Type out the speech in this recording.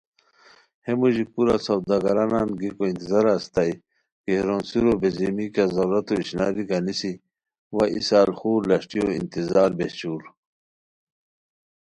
ہے موژی کورہ سوداگران گیکو انتظارہ استائے کی ہے رونڅیرو بیزیمی کیہ ضرورتو اشناری گانیسی وا ای سال خور لشٹیو انتظار بہچور